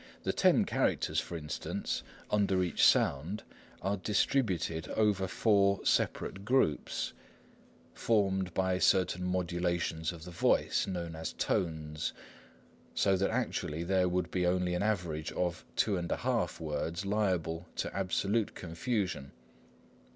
The ten characters, for instance, under each sound, are distributed over four separate groups, formed by certain modulations of the voice, known as Tones, so that actually there would be only an average of 2½ words liable to absolute confusion.